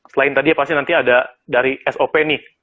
selain tadi ya pasti nanti ada dari sop nih